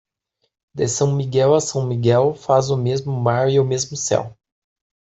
De São Miguel a São Miguel faz o mesmo mar e o mesmo céu.